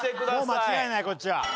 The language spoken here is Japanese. もう間違えないこっちは。